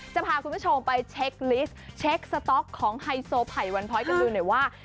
จะพาคุณผู้ชมไปเช็คลิสต์เช็คสต๊อกของไฮโซไผ่วันพ้อยกันดูหน่อยว่า